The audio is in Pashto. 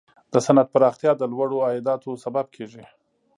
د صنعت پراختیا د لوړو عایداتو سبب کیږي.